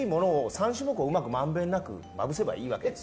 ３種目をまんべんなくまぶせばいいんですよ。